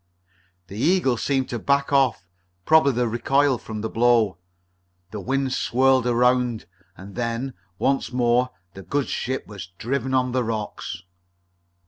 The Eagle seemed to back off, probably the recoil from the blow. The wind swirled around, and then, once more, the good ship was driven on the rocks.